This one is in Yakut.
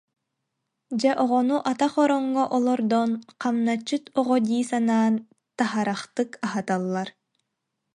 Дьэ оҕону атах ороҥҥо олордон, хамначчыт оҕо дии санаан таһарахтык аһаталлар